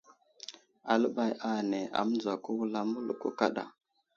Aləɓay ane amənzaro wulam mələko kaɗa.